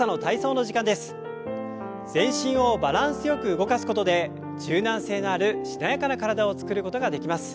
全身をバランスよく動かすことで柔軟性があるしなやかな体を作ることができます。